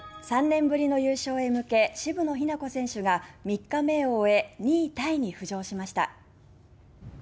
３年ぶりの優勝へ向け渋野日向子選手が３日目を終え２位タイに浮上しました。